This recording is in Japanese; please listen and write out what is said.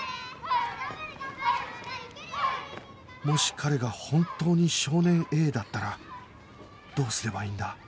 もし彼が本当に少年 Ａ だったらどうすればいいんだ？